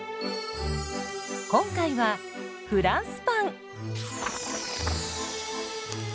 今回はフランスパン。